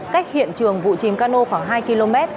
cách hiện trường vụ chìm cano khoảng hai km